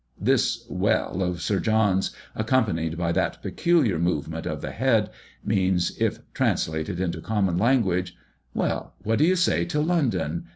This "Well" of Sir John's, accompanied by that peculiar movement of the head, means, if translated into common language, "Well, what do you say to London?